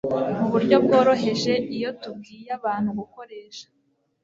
mu buryo bworoheje Iyo tubwiye abantu gukoresha